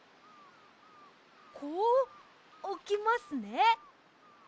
こうおきますね。